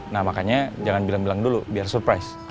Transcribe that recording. nah makanya jangan bilang bilang dulu biar surprise